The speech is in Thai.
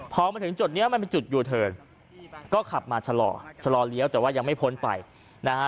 พอมาถึงจุดนี้มันเป็นจุดยูเทิร์นก็ขับมาชะลอชะลอเลี้ยวแต่ว่ายังไม่พ้นไปนะฮะ